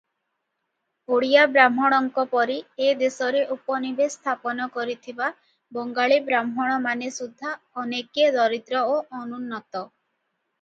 ଓଡ଼ିୟାବ୍ରାହ୍ମଣଙ୍କ ପରି ଏ ଦେଶରେ ଉପନିବେଶ ସ୍ଥାପନ କରିଥିବା ବଙ୍ଗାଳୀବ୍ରାହ୍ମଣମାନେ ସୁଦ୍ଧା ଅନେକେ ଦରିଦ୍ର ଓ ଅନୁନ୍ନତ ।